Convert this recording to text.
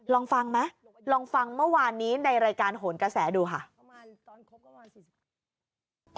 ลองฟังไหมลองฟังเมื่อวานนี้ในรายการโหนกระแสดูค่ะ